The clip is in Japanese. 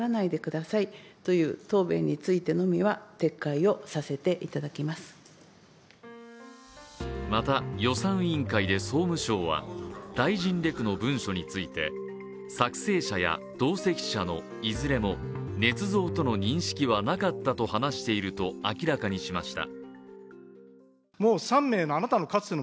午後になってようやくまた予算委員会で総務省は大臣レクの文書について、作成者や同席者のいずれもねつ造との認識はなかったと話していると明らかにしました。